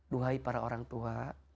dohai para orang tua